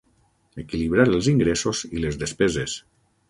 Equilibrar els ingressos i les despeses.